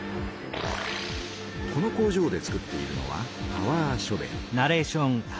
この工場でつくっているのはパワーショベル。